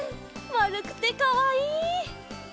まるくてかわいい。